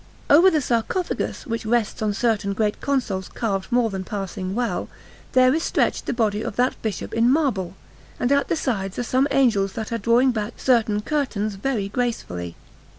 Over the sarcophagus, which rests on certain great consoles carved more than passing well, there is stretched the body of that Bishop in marble, and at the sides are some angels that are drawing back certain curtains very gracefully.